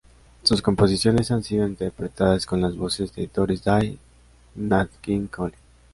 Sus composiciones han sido interpretadas con las voces de Doris Day, Nat King Cole.